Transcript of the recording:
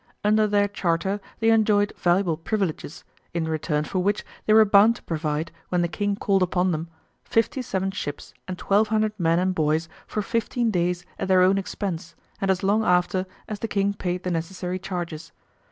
Under their charter they enjoyed valuable privileges, in return for which they were bound to provide, when the King called upon them, fifty seven ships and twelve hundred men and boys for fifteen days at their own expense, and as long after as the King paid the necessary charges.